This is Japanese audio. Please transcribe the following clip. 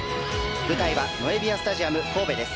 舞台はノエビアスタジアム神戸です。